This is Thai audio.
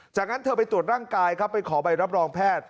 จากนั้นเธอไปตรวจร่างกายครับไปขอใบรับรองแพทย์